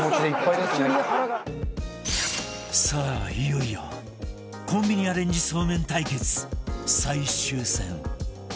いよいよコンビニアレンジそうめん対決最終戦